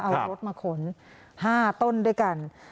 เอารถมาขน๕ต้นด้วยกัน